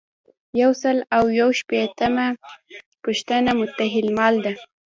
یو سل او یو شپیتمه پوښتنه متحدالمال ده.